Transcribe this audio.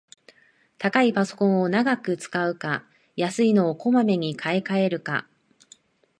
高いパソコンを長く使うか、安いのをこまめに買いかえるか